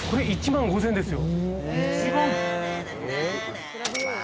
１万５，０００円だよ。